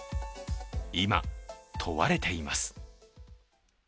今、問われています。